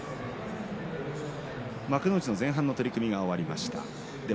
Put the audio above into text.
幕内前半の取組が終わりました。